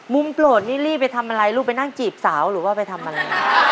โปรดนี่รีบไปทำอะไรลูกไปนั่งจีบสาวหรือว่าไปทำอะไร